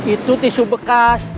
itu tisu bekas